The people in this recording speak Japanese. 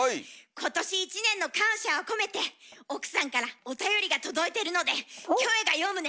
今年１年の感謝を込めて奥さんからおたよりが届いてるのでキョエが読むね！